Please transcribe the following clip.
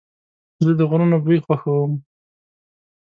زه د غرونو بوی خوښوم.